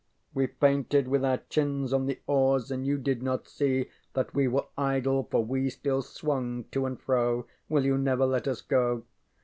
We fainted with our chins on the oars and you did not see that we were idle for we still swung to and fro. _Will you never let us go?